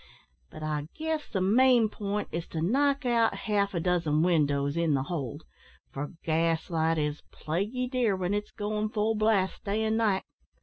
But I guess the main point is to knock out half a dozen windows in the hold, for gas light is plaguey dear, when it's goin' full blast day and night.